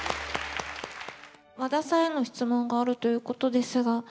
和田さんへの質問があるということですが。